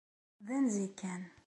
D anzi kan.